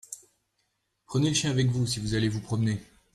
Prenez le chien avec vous si vous allez vous promener.